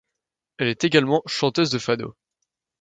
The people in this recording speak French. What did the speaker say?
Elle est également chanteuse de fado.